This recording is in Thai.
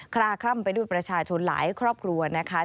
คลาคล่ำไปด้วยประชาชนหลายครอบครัวนะคะ